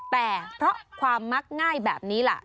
แต่เพราะความมักง่ายแบบนี้ล่ะ